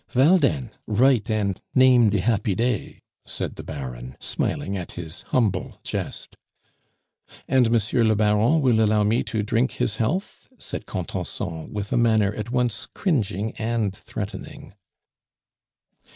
"Vell den, write and name de happy day," said the Baron, smiling at his humble jest. "And Monsieur le Baron will allow me to drink his health?" said Contenson, with a manner at once cringing and threatening.